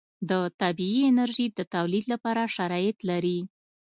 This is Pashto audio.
د طبعي انرژي د تولید لپاره شرایط لري.